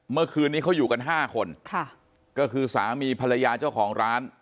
เมื่อคืนนี้เขาอยู่กันห้าคนค่ะก็คือสามีภรรยาเจ้าของร้าน